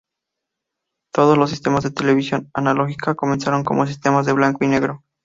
Todos los sistemas de televisión analógica comenzaron como sistemas de blanco y negro.